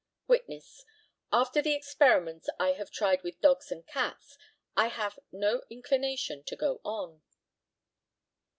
Witness: After the experiments I have tried with dogs and cats, I have no inclination to go on.